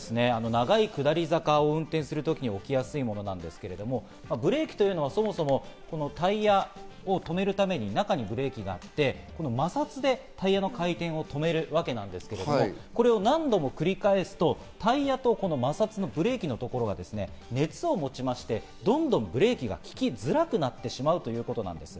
長い下り坂を運転する時に起きやすいものですけど、ブレーキというのは、そもそもタイヤを止めるために中にブレーキがあって、この摩擦でタイヤの回転を止めるわけなんですけど、これを何度も繰り返すと、タイヤと摩擦のブレーキの所が熱を持ちまして、どんどんブレーキが利きづらくなってしまうということなんです。